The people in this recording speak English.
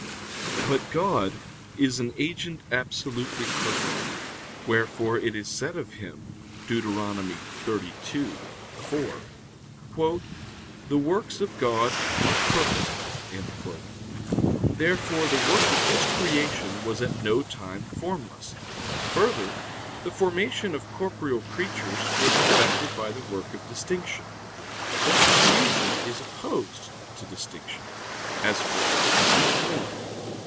But God is an agent absolutely perfect; wherefore it is said of Him (Deut. 32:4): "The works of God are perfect." Therefore the work of His creation was at no time formless. Further, the formation of corporeal creatures was effected by the work of distinction. But confusion is opposed to distinction, as formlessness to form.